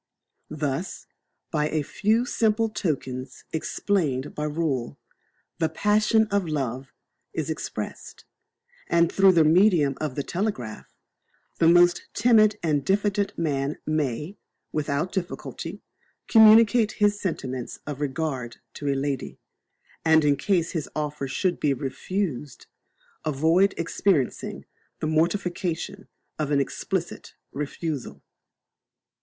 Thus, by a few simple tokens explained by rule, the passion of love is expressed; and through the medium of the telegraph, the most timid and diffident man may, without difficulty, communicate his sentiments of regard to a lady, and, in case his offer should be refused, avoid experiencing the mortification of an explicit refusal.